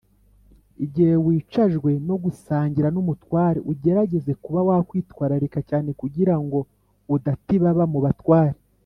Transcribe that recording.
Igihe wicajwe no gusangira n umutware ugerageza kuba wakwitwararika cyane kugirango udata ibaba mu batware